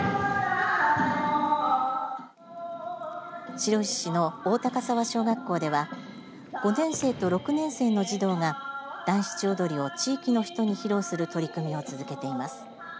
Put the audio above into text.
白石市の大鷹沢小学校では５年生と６年生の児童が団七踊りを地域の人に披露する取り組みを続けています。